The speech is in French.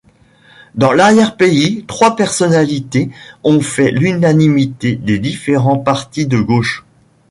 Dans l’arrière pays trois personnalités ont fait l’unanimité des différents partis de gauche.